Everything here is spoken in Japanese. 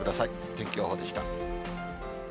天気予報でした。